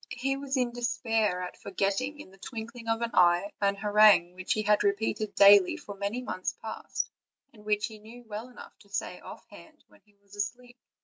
He was in despair at forget ting in the twinkling of an eye an harangue which he had repeated daily for many months past, and which he knew well enough to say offhand when he was asleep.